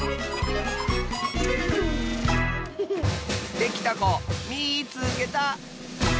できたこみいつけた！